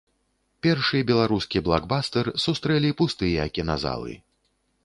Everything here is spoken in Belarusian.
Першы беларускі блакбастар сустрэлі пустыя кіназалы.